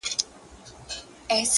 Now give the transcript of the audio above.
چي د ملا خبري پټي ساتي _